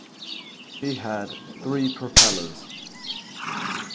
She had three propellers.